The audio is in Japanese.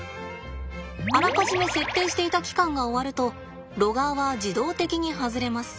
あらかじめ設定していた期間が終わるとロガーは自動的に外れます。